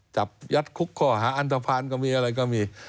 จับยัดคุกข้อหาอันตภัณฑ์ก็มีอะไรก็มี